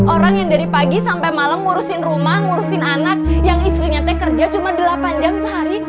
orang yang dari pagi sampai malam ngurusin rumah ngurusin anak yang istrinya teh kerja cuma delapan jam sehari